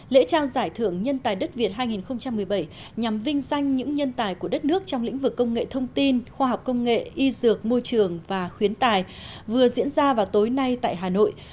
lễ trao giải thưởng nhân tài đất việt hai nghìn một mươi bảy nhằm vinh danh những nhân tài của đất nước trong lĩnh vực công nghệ thông tin khoa học công nghệ y dược môi trường và khuyến tài vừa diễn ra vào tối nay tại hà nội